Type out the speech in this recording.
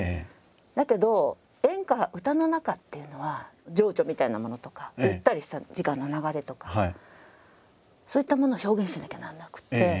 だけど演歌歌の中っていうのは情緒みたいなものとかゆったりした時間の流れとかそういったものを表現しなきゃならなくって。